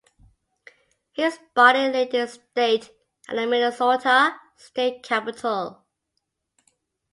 His body laid in state at the Minnesota State Capitol.